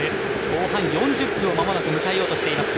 後半４０分を迎えようとしています。